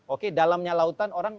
oke dalamnya lautan orang